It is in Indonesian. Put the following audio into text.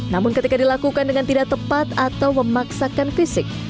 namun ketika dilakukan dengan tidak tepat atau memaksakan fisik